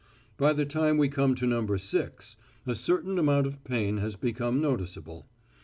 By the time we come to No. 6, a certain amount of pain has become noticeable.